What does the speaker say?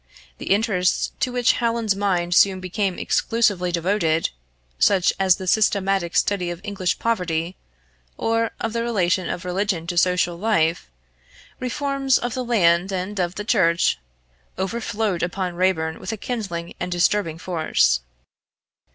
The interests to which Hallin's mind soon became exclusively devoted such as the systematic study of English poverty, or of the relation of religion to social life, reforms of the land and of the Church overflowed upon Raeburn with a kindling and disturbing force.